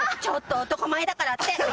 ちょっと男前だからって！